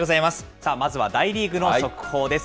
さあ、まずは大リーグの速報です。